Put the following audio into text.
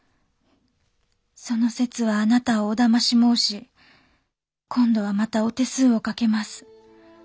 その節はあなたをお騙し申し今度はまたお手数をかけます。